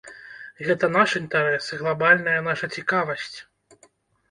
Гэта наш інтарэс, глабальная наша цікавасць!